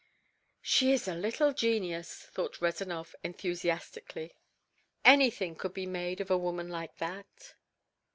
"She is a little genius!" thought Rezanov enthusiastically. "Anything could be made of a woman like that."